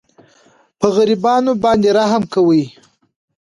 په غریبانو باندې رحم کوئ.